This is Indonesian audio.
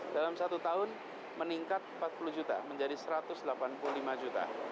dalam satu tahun meningkat empat puluh juta menjadi satu ratus delapan puluh lima juta